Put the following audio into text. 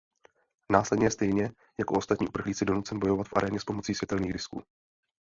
Následně je stejně jako ostatní uprchlíci donucen bojovat v aréně s pomocí světelných disků.